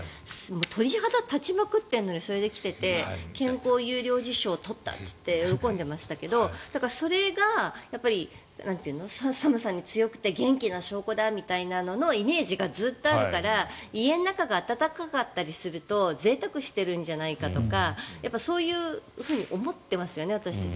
鳥肌が立ちまくってるのにそれで来ていて健康優良児賞を取ったって喜んでましたがそれが寒さに強くて元気な証拠だみたいなイメージがずっとあるから家の中が暖かったりするとぜいたくしてるんじゃないかとかそういうふうに思ってますよね私たち。